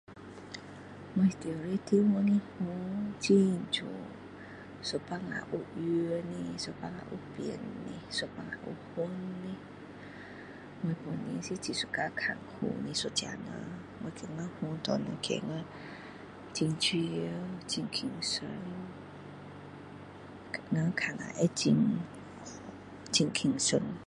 我住的地方的云很美。一半下有圆的，一半下有扁的，一半下方的。我本来是很喜欢看云的一个人，我觉得云让人感觉很自由，很轻松。我看了很，很轻松。